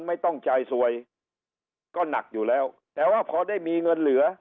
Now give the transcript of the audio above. ไม่ต้องจ่ายสวยก็หนักอยู่แล้วแต่ว่าพอได้มีเงินเหลือ